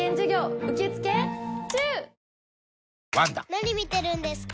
・何見てるんですか？